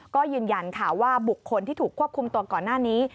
ก็ยืนยันค่ะว่าบุคคลที่ถูกควบคุมตัวก่อนหน้านี้